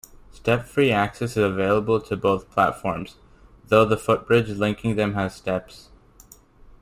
Step-free access is available to both platforms, though the footbridge linking them has steps.